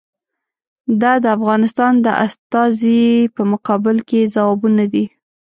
دا د افغانستان د استازي په مقابل کې ځوابونه دي.